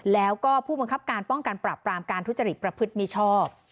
แล้วก็ผู้บังคับการป้องกันปรับปรามการทุจริตประพฤติมิชอบ